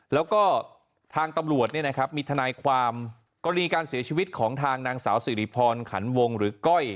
แล้วก็ทางตำรวจมีทนายความกรณีการเสียชีวิตของทางนางสาวสิริพรขันวงหรือก้อย